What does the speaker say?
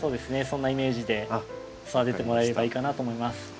そんなイメージで育ててもらえればいいかなと思います。